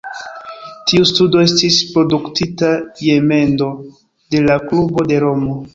Tiu studo estis produktita je mendo de la klubo de Romo.